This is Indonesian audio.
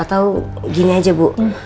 atau gini aja bu